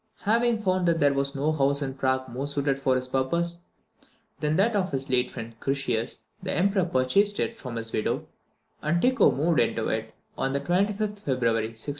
Having found that there was no house in Prague more suited for his purposes than that of his late friend Curtius, the Emperor purchased it from his widow, and Tycho removed into it on the 25th February 1601.